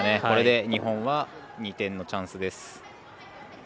これで日本は２点のチャンスです。